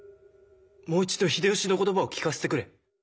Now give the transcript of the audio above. もう一度秀吉の言葉を聞かせてくれ。